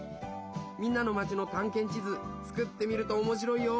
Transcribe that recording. みんなの町のたんけん地図作ってみるとおもしろいよ！